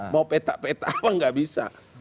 mau peta peta apa nggak bisa